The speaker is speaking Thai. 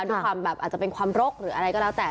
ด้วยความแบบอาจจะเป็นความรกหรืออะไรก็แล้วแต่